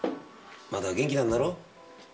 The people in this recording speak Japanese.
まだ元気なんだろ？